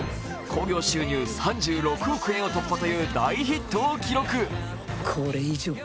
興行収入３６億円を突破という大ヒットを記録。